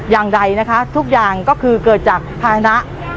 อย่างใดนะคะทุกอย่างก็คือเกิดจากภาษณะ